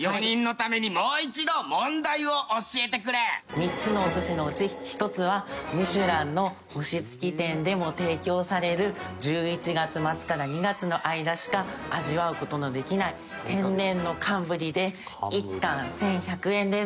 ３つのお寿司のうち１つは『ミシュラン』の星付き店でも提供される１１月末から２月の間しか味わう事のできない天然の寒ぶりで１貫１１００円です。